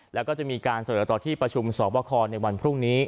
แล้วก็จะมีการเสนอต่อที่ประชุมสอบคอในวันพรุ่งนี้